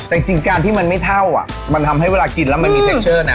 แต่จริงการที่มันไม่เท่าอ่ะมันทำให้เวลากินแล้วมันมีเทคเชอร์นะ